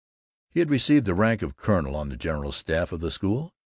He had received the rank of colonel on the general staff of the school.